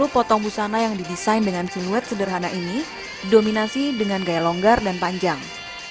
dua puluh potong busana yang didesain dengan siluet sederhana ini dominasi dengan gaya longgar dan panjang